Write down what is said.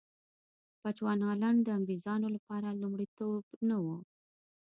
بچوانالنډ د انګرېزانو لپاره لومړیتوب نه و.